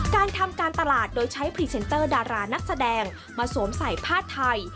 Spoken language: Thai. การทำการตลาดโดยใช้พรีเซนเตอร์ดารานักแสดงมาสวมใส่ผ้าไทย